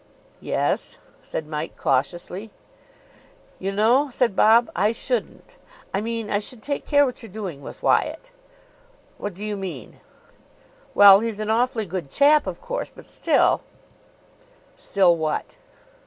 "Yes," said Mike cautiously. "You know," said Bob, "I shouldn't I mean, I should take care what you're doing with Wyatt." "What do you mean?" "Well, he's an awfully good chap, of course, but still " "Still what?"